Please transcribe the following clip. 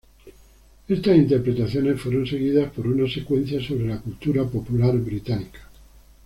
Estas interpretaciones fueron seguidas por una secuencia sobre la cultura popular británica.